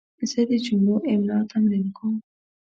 زه د جملو املا تمرین کوم.